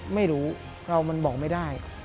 ไม่รู้เรามันบอกไม่ได้